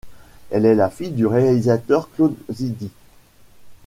Elle est la fille du réalisateur Claude Zidi.